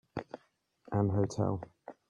An hotel